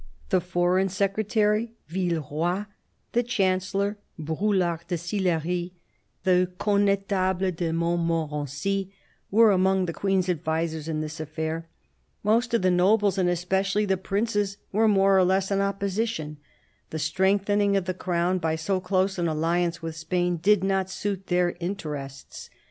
The Foreign Secretary, Villeroy, the Chancellor, Brulart de Sillery, the Conn^table de Mont THE BISHOP OF LUgON 65 morency, were among the Queen's advisers in this aifair. Most of the nobles, and especially the princes, were more or less in opposition ; the strengthening of the Crown by so close an alliance with Spain did not suit their interests.